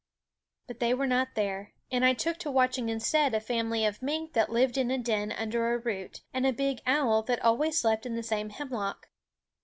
But they were not there ; and I took to watching instead a family of mink that lived in a den under a root, and a big owl that always slept in the same hemlock.